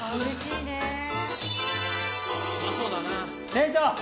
店長！